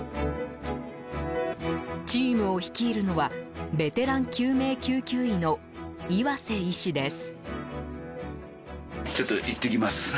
チームを率いるのはベテラン救命救急医の岩瀬医師です。